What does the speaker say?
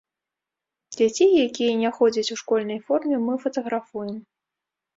Дзяцей, якія не ходзяць у школьнай форме, мы фатаграфуем.